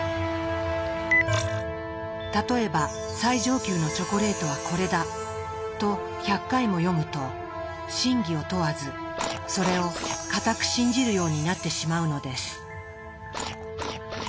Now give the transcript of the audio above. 例えば「最上級のチョコレートはこれだ！」と１００回も読むと真偽を問わずそれを固く信じるようになってしまうのです。